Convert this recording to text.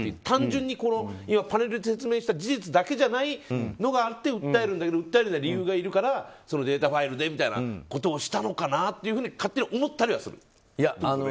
単純にパネルで説明した事実だけじゃないのがあって訴えるんだけど訴えるには理由がいるからそのデータファイルでみたいなことをしたのかなって勝手に思ったりはする。